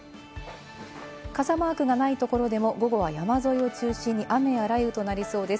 傘マークがないところでも、午後は山沿いを中心に雨や雷雨となりそうです。